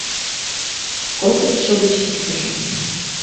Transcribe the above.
Кокытшо гыч иктыжым